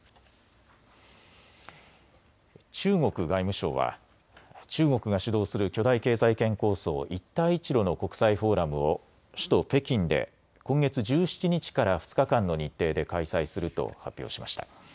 中国外務省は中国が主導する巨大経済圏構想、一帯一路の国際フォーラムを首都・北京で今月１７日から２日間の日程で開催すると発表しました。